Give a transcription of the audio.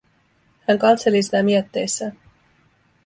Hän katseli sitä mietteissään.